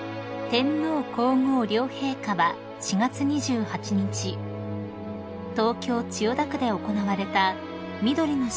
［天皇皇后両陛下は４月２８日東京千代田区で行われたみどりの式典に出席されました］